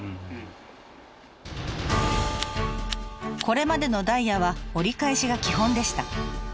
これまでのダイヤは折り返しが基本でした。